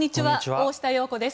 大下容子です。